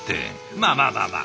まあまあまあまあ！